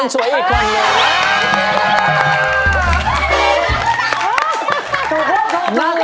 สวยอีกคนนึง